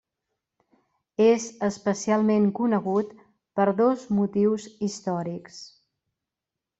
És especialment conegut per dos motius històrics.